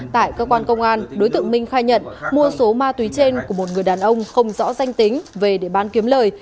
tại cơ quan công an đối tượng minh khai nhận mua số ma túy trên của một người đàn ông không rõ danh tính về để bán kiếm lời